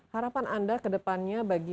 harapan anda ke depannya bagi